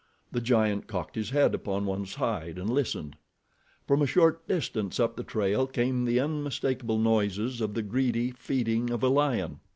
The giant cocked his head upon one side and listened. From a short distance up the trail came the unmistakable noises of the greedy feeding of a lion.